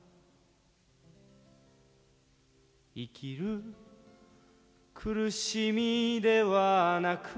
「生きる苦しみではなく」